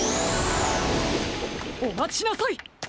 おまちなさい！